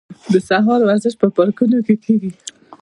د سهار ورزش په پارکونو کې کیږي.